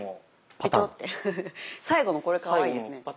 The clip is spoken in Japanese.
ペチョって最後のこれかわいいですね。